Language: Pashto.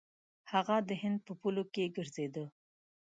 هغه د هند په پولو کې ګرځېدی.